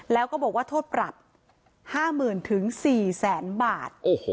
แล้วก็บอกว่าโทษปรับ๕๐๐๐๔๐๐๐บาท